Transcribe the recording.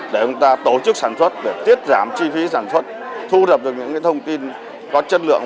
để chúng ta tổ chức sản xuất để tiết giảm chi phí sản xuất thu dập được những thông tin có chất lượng